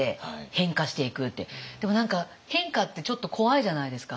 でも何か変化ってちょっと怖いじゃないですか。